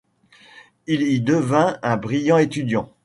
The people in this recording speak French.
Il y devint un brillant étudiant.